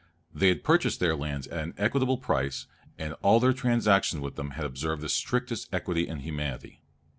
They had purchased their lands at an equitable price, and in all their transactions with them had observed the strictest equity and humanity.